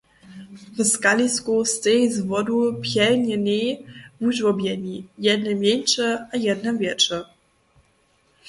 W skalisku stej z wodu pjelnjenej wužłobjeni, jedne mjeńše a jedne wjetše.